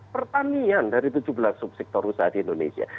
pertanian dari tujuh belas subsektor usaha di indonesia